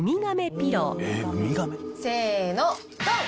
せのドン！